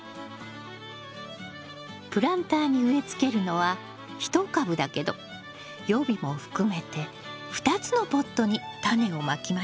プランターに植えつけるのは１株だけど予備も含めて２つのポットにタネをまきましょう。